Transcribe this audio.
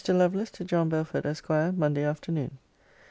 LOVELACE, TO JOHN BELFORD, ESQ. MONDAY AFTERNOON.